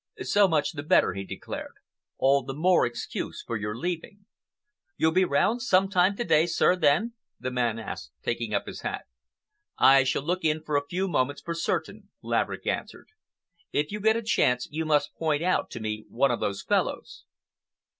"So much the better," he declared. "All the more excuse for your leaving. "You'll be round sometime to day, sir, then?" the man asked, taking up his hat. "I shall look in for a few moments, for certain," Laverick answered. "If you get a chance you must point out to me one of those fellows."